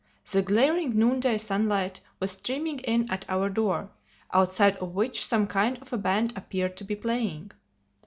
The glaring noonday sunlight was streaming in at our door, outside of which some kind of a band appeared to be playing.